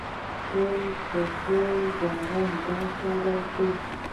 ټول یاران دلته راځي